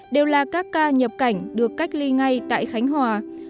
đều là các ca nhập cảnh được cách ly ngay tại khánh hòa